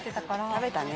食べたね。